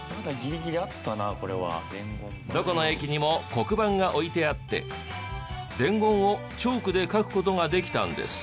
どこの駅にも黒板が置いてあって伝言をチョークで書く事ができたんです。